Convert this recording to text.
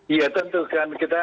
iya tentu kan kita